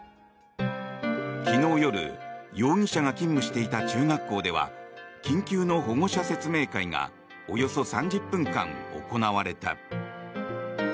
昨日夜容疑者が勤務していた中学校では緊急の保護者説明会がおよそ３０分間行われた。